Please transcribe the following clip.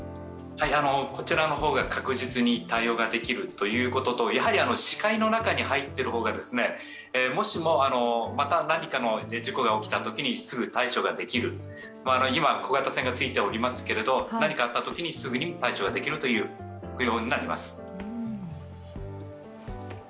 こちらの方が確実に対応ができるということと視界の中に入っている方が、もしもまた何かの事故が起きたときにすぐ対処ができる、今、小型船がついておりますけれども何かあったときにすぐに対処できるという方法になります。